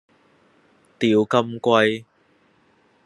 釣金龜